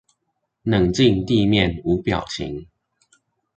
冷靜地面無表情